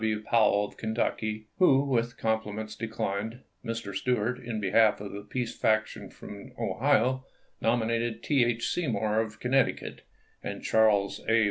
W. Powell of Kentucky, who with compliments declined; Mr. Stuart, in behalf of the peace faction from Ohio, nominated T. H. Seymour of Connecticut ; and Charles A.